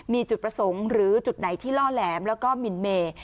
มีจุดประสงค์หรือจุดไหนที่ล่อแหลมแล้วก็มินเมย์